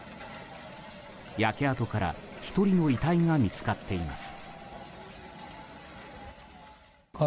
焼け跡から１人の遺体が見つかっています。